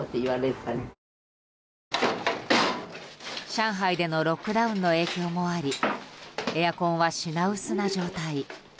上海でのロックダウンの影響もありエアコンは品薄な状態。